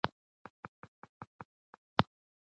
پیغمبر وویل چې د علم زده کړه په هر مسلمان فرض ده.